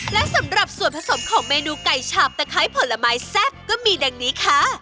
และสำหรับส่วนผสมของเมนูไก่ฉาบตะไคร้ผลไม้แซ่บก็มีดังนี้ค่ะ